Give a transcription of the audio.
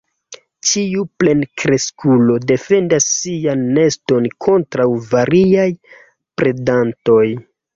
Ĉiu plenkreskulo defendas sian neston kontraŭ variaj predantoj.